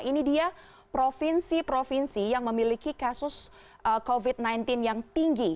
ini dia provinsi provinsi yang memiliki kasus covid sembilan belas yang tinggi